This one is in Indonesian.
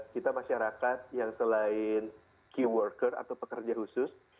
kita masyarakat yang selain key worker atau pekerja khusus